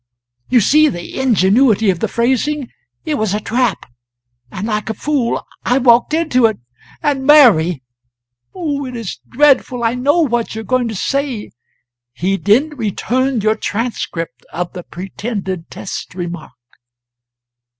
You see the ingenuity of the phrasing. It was a trap and like a fool, I walked into it. And Mary !" "Oh, it is dreadful I know what you are going to say he didn't return your transcript of the pretended test remark."